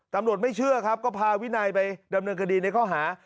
ไม่เชื่อครับก็พาวินัยไปดำเนินคดีในข้อหา